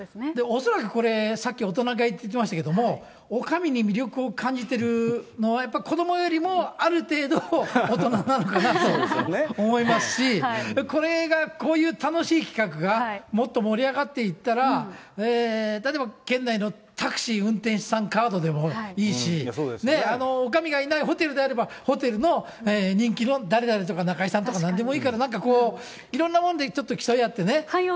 恐らくこれ、さっき大人買いって言ってましたけども、おかみに魅力を感じてるのは、やっぱり子どもよりも、ある程度、大人なのかなと思いますし、これが、こういう楽しい企画が、もっと盛り上がっていったら、例えば県内のタクシー運転手さんカードでもいいし、おかみがいないホテルであれば、ホテルの人気の誰誰とか、仲居さんとか、なんでもいいからなんかこう、いろんなものでちょっと競い合ってね。